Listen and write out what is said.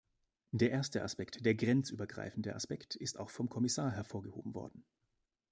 Der erste Aspekt, der grenzübergreifende Aspekt, ist auch vom Kommissar hervorgehoben worden.